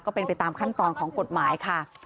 ไปตามขั้นตอนของกฎหมายค่ะ